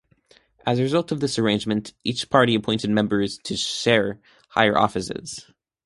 As a result of this arrangement, each party appointed members to "share" higher offices.